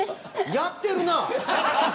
やってるな。